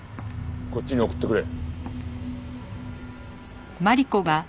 こっちに送ってくれ。